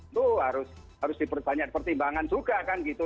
itu harus diperbanyak pertimbangan juga kan gitu